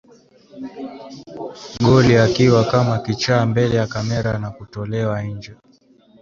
Goli akiwa kama kichaa mbele ya kamera na kutolewa nje